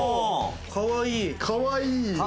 かわいいね。